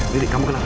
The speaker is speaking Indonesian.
dede kamu kenapa